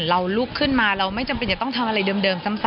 ลุกขึ้นมาเราไม่จำเป็นจะต้องทำอะไรเดิมซ้ำ